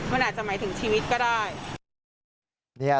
มันอาจจะหมายถึงชีวิตก็ได้